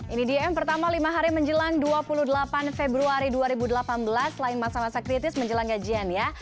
ini dia yang pertama lima hari menjelang dua puluh delapan februari dua ribu delapan belas selain masa masa kritis menjelang gajian ya